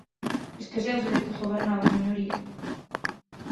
Esqueceuse de que gobernaba en minoría.